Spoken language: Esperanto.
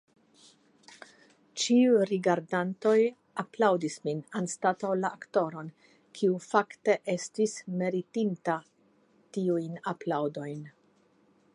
Ĉiuj rigardantoj aplaŭdis min, anstataŭ la aktoron, kiu fakte estis meritinta tiujn aplaŭdojn.